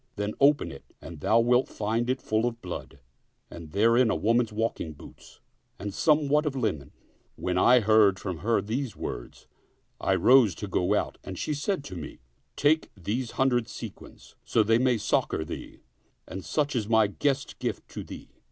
Then open it and thou wilt find it full of blood, and therein a woman's walking boots and somewhat of linen." When I heard from her these words, I rose to go out and she said to me, " Take these hundred sequins, so they may succor thee; and such is my guest gift to thee."